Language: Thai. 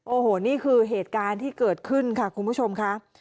โอ้โหนี่คือเหตุการณ์ที่เกิดขึ้นค่ะคุณผู้ชมค่ะ